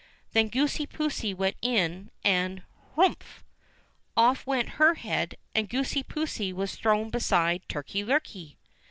Then Goosey poosey went in, and — "Hrumph!" Off went her head and Goosey poosey was thrown beside Turkey lurkey.